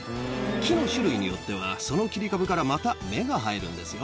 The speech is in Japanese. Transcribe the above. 木の種類によっては、その切り株からまた芽が生えるんですよ。